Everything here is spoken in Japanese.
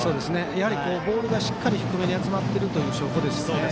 やはりボールがしっかり低めに集まっている証拠ですね。